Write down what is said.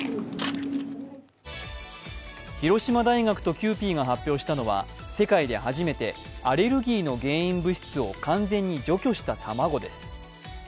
広島大学とキユーピーが発表したのは世界で初めてアレルギーの原因物質を完全に除去した卵です。